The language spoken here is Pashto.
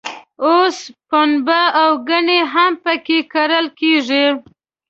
اوس پنبه او ګني هم په کې کرل کېږي.